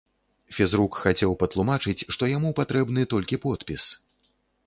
Фізрук хацеў патлумачыць, што яму патрэбны толькі подпіс.